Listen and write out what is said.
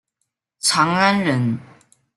长安人。